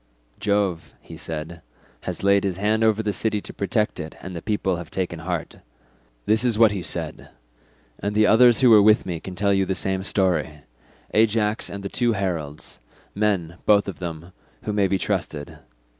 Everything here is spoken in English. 'Jove,' he said, 'has laid his hand over the city to protect it, and the people have taken heart.' This is what he said, and the others who were with me can tell you the same story—Ajax and the two heralds, men, both of them, who may be trusted.